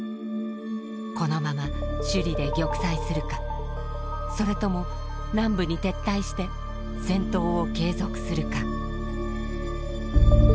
このまま首里で玉砕するかそれとも南部に撤退して戦闘を継続するか。